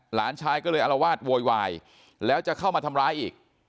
หลานชายก็เลยอารวาสโวยวายแล้วจะเข้ามาทำร้ายอีก